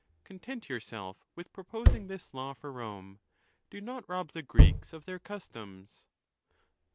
—Content yourself with proposing this law for Rome: do not rob the Greeks of their customs.